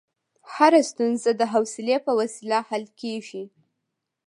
هره ستونزه د حوصلې په وسیله حل کېږي.